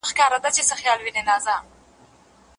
تا پرون د خپلي نوي پروژې ټولي موخي یاداښت کړې.